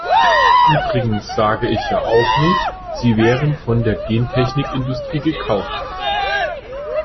Übrigens sage ich ja auch nicht, Sie wären von der Gentechindustrie gekauft.